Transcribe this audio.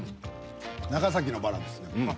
長崎のバラですね。